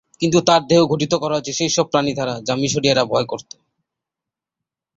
কিন্তু তার দেহ গঠিত করা হয়েছে সেই সব প্রাণী দ্বারা যা মিশরীয়রা ভয় করতো।